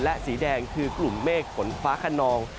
และสีแดงคือกลุ่มเมฆฝนฟ้าขนอง